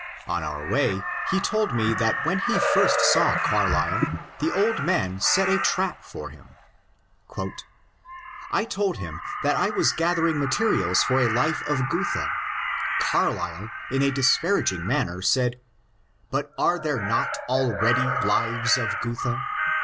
On our way he told me that when he first saw Carlyle the old man set a trap for him. ^^ I told him that I was gathering materials for a life of Goethe. Carlyle in a disparaging manner said, * But are there not already Lives of Goethe